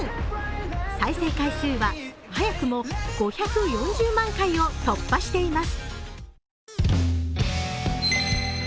再生回数は早くも５４０万回を突破しています。